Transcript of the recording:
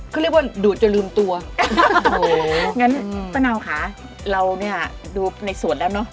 เขาเรียกว่าดูดจนลืมตัวงั้นป้าเนาค่ะเราเนี่ยดูในสวนแล้วเนอะ